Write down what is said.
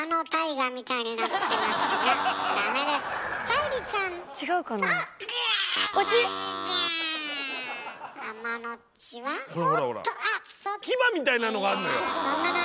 牙みたいなのがあんのよ。